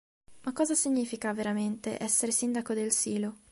Ma cosa significa veramente essere sindaco del Silo?